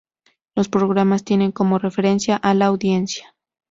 Los programas tienen como referencia a la audiencia.